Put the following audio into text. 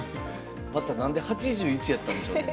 また何で８１やったんでしょうね？